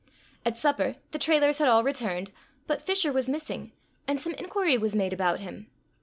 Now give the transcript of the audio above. At supper, the Trailors had all returned, but Fisher was missing, and some inquiry was made about him.